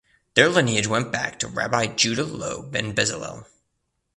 Their lineage went back to Rabbi Judah Loew ben Bezalel.